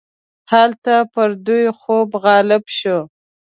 هلته پر دوی خوب غالب شو.